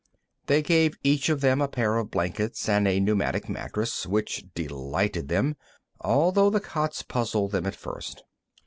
They gave each of them a pair of blankets and a pneumatic mattress, which delighted them, although the cots puzzled them at first.